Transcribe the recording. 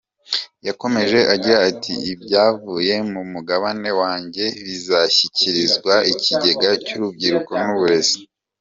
Yakomeje agira ati “ Ibyavuye mu mugabane wanjye bizashyikirizwa ikigega cy’urubyiruko n’uburezi.